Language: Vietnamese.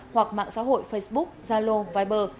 hoặc mạng xã hội facebook zalo viber